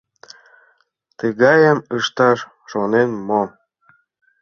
Тыгайым ышташ шонен мо?